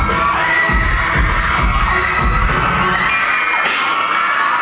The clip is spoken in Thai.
ไม่ต้องถามไม่ต้องถาม